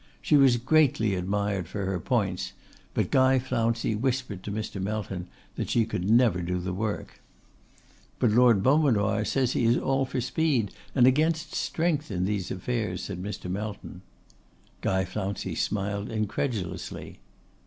She was greatly admired for her points; but Guy Flouncey whispered to Mr. Melton that she never could do the work. 'But Lord Beaumanoir says he is all for speed against strength in these affairs,' said Mr. Melton. Guy Flouncey smiled incredulously.